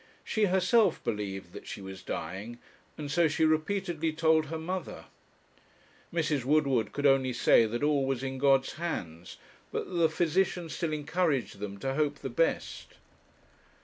She herself believed that she was dying, and so she repeatedly told her mother. Mrs. Woodward could only say that all was in God's hands, but that the physicians still encouraged them to hope the best.